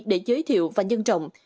để giới thiệu và dân trọng